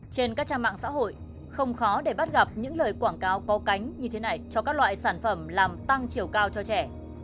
trên các trang mạng xã hội không khó để bắt gặp những lời quảng cáo có cánh như thế này cho các loại sản phẩm làm tăng chiều cao cho trẻ